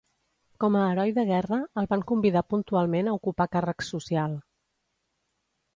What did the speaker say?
Com a heroi de guerra, el van convidar puntualment a ocupar càrrecs social.